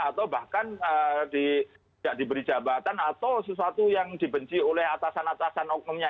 atau bahkan tidak diberi jabatan atau sesuatu yang dibenci oleh atasan atasan oknumnya